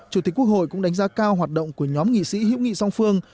chủ tịch quốc hội cũng đánh giá cao hoạt động của nhóm nghị sĩ hữu nghị song phương